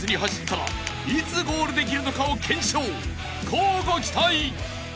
［乞うご期待］